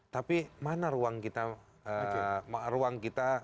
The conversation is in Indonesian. tapi mana ruang kita ber empatik pada mereka yang